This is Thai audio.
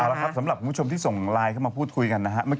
แล้วครับสำหรับคุณผู้ชมที่ส่งไลน์เข้ามาพูดคุยกันนะครับ